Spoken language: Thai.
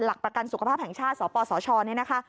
หลักประกันสุขภาพแห่งชาติสปสชเนี่ยนะคะ